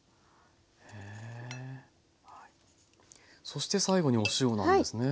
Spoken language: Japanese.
そして最後にお塩なんですね。